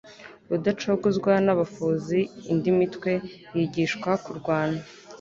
Rudacogozwa n'abafozi indi mitwe yigishwa kurwana